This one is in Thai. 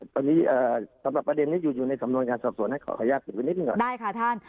ตอนนี้เอ่อสำหรับประเด็นนี้อยู่อยู่ในสำนวนการสอบสวนให้ขอขยับถึงกันนิดหนึ่งก่อนได้ค่ะท่าน